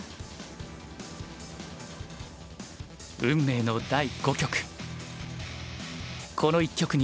運命の第５局。